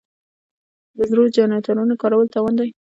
د زړو جنراتورونو کارول تاوان دی.